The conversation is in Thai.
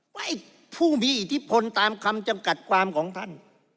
ว่าไอ้ผู้มีอิทธิพลตามคำจำกัดความของท่าน